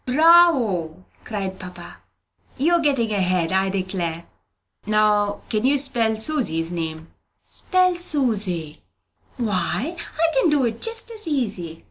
"Bravo!" cried papa. "You're getting ahead, I declare! Now can you spell Susy's name?" "Spell Susy? Why, I can do it just as easy!"